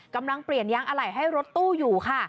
กำลังเปลี่ยนยางอะไหล่ให้รถตู้อยู่ค่ะ